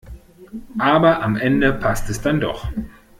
Aber am Ende passt es dann doch.